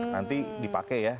nanti dipake ya